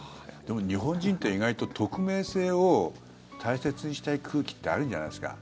日本人って意外と匿名性を大切にしたい空気ってあるんじゃないですか？